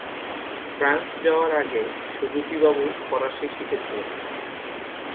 France যাওয়ার আগে Suzuki babu ফরাসি শিখেছিলেন।